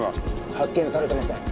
発見されてません。